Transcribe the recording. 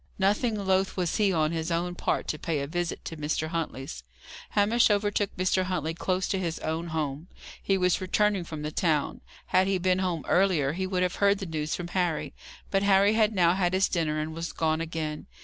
Nothing loth was he, on his own part, to pay a visit to Mr. Huntley's. Hamish overtook Mr. Huntley close to his own home. He was returning from the town. Had he been home earlier, he would have heard the news from Harry. But Harry had now had his dinner and was gone again.